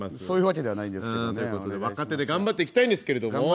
そういうわけではないんですけどね。ってことで若手で頑張っていきたいんですけれども。